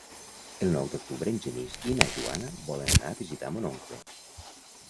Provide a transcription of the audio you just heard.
El nou d'octubre en Genís i na Joana volen anar a visitar mon oncle.